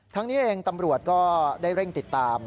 นี้เองตำรวจก็ได้เร่งติดตาม